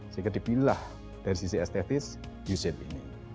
sehingga dipilih dari sisi estetis u shape ini